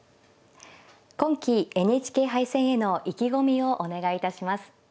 今期ＮＨＫ杯戦への意気込みをお願いいたします。